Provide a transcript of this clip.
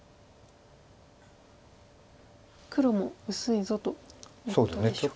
「黒も薄いぞ」ということでしょうか。